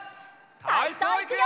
たいそういくよ！